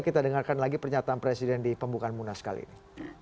kita dengarkan lagi pernyataan presiden di pembukaan munas kali ini